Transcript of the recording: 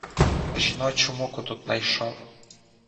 Жіночу муку тут найшов.